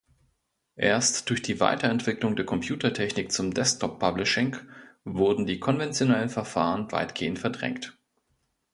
Erst durch die Weiterentwicklung der Computertechnik zum Desktop-Publishing wurden die konventionellen Verfahren weitgehend verdrängt.